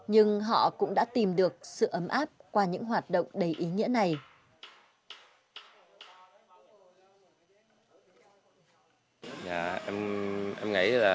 nhưng họ cũng đã tìm được sự ấm áp qua những hoạt động đầy ý nghĩa này